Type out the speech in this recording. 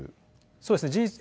そうですね。